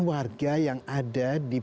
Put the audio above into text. warga yang ada di